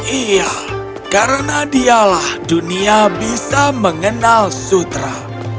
iya karena dialah dunia bisa mengenal sutra